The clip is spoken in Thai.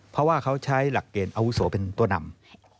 เพราะว่าเขาใช้หลักเกณฑ์อาวุโสเป็นตัวนำ